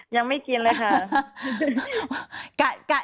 ยังไม่กินเลยค่ะ